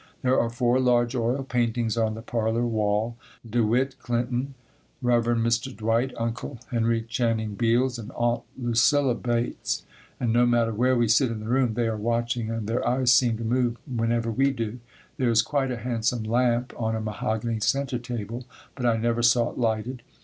There are four large oil paintings on the parlor wall, De Witt Clinton, Rev. Mr. Dwight, Uncle Henry Channing Beals and Aunt Lucilla Bates, and no matter where we sit in the room they are watching and their eyes seem to move whenever we do. There is quite a handsome lamp on a mahogany center table, but I never saw it lighted.